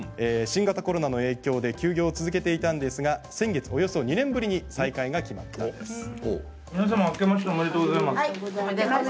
新型コロナの影響で休業を続けていたんですが先月およそ２年ぶりに再開が決まったんです。